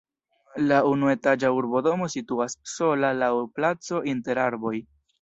La unuetaĝa urbodomo situas sola laŭ placo inter arboj.